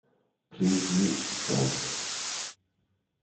Please mute the sound.